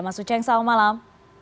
mas uceng selamat malam